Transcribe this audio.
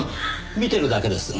見てるだけです。